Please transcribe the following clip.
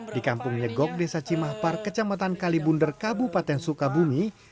di kampung nyegok desa cimahpar kecamatan kalibunder kabupaten sukabumi